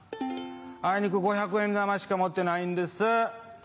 あいにく５００円玉しか持ってないんです。